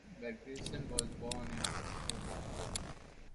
Bergersen was born in Australia.